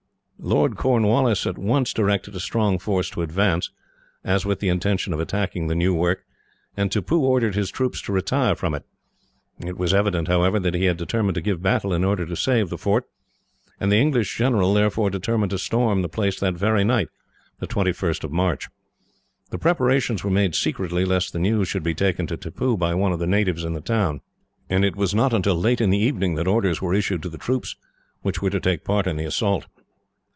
Lord Cornwallis at once directed a strong force to advance, as if with the intention of attacking the new work, and Tippoo ordered his troops to retire from it. It was evident, however, that he had determined to give battle in order to save the fort, and the English general therefore determined to storm the place that very night, the 21st of March. The preparations were made secretly, lest the news should be taken to Tippoo by one of the natives in the town, and it was not until late in the evening that orders were issued to the troops which were to take part in the assault.